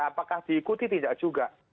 apakah diikuti tidak juga